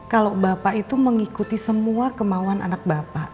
kalau bapak itu mengikuti semua kemauan anak bapak